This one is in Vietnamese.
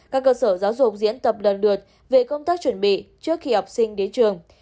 các cơ sở giáo dục diễn tập lần lượt về công tác chuẩn bị trước khi học sinh đến trường